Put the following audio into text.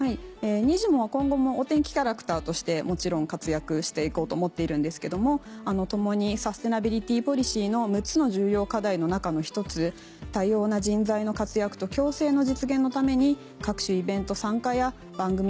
にじモは今後もお天気キャラクターとしてもちろん活躍して行こうと思っているんですけども共にサステナビリティポリシーの６つの重要課題の中の１つ「多様な人材の活躍と共生」の実現のために。